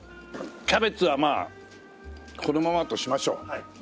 キャベツはまあこのままとしましょう。